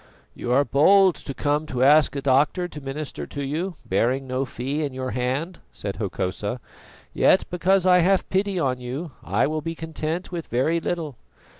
"You are bold who come to ask a doctor to minister to you, bearing no fee in your hand," said Hokosa. "Yet, because I have pity on you, I will be content with very little.